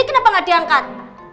situ pasti penasaran kan